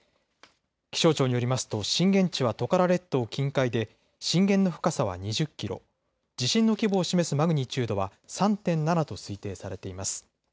気象庁によりますと震源地はトカラ列島近海で震源の深さは２０キロ、地震の規模を示すマグニチュードは３．７と推定されています。